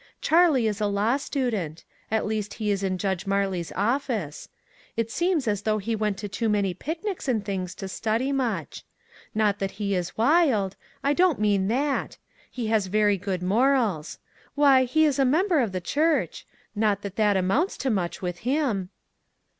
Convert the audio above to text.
Charlie is a law student ; at least he is in Judge Marley's office. It seems as though he went to too many picnics and tilings to study much. Not that he is wild ; I don't mean that. He has very good mor als. Why, he is a member of the church ; not that that amounts to much with him."